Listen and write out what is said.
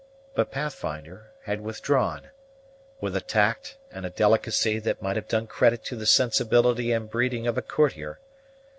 But Pathfinder had withdrawn, with a tact and a delicacy that might have done credit to the sensibility and breeding of a courtier.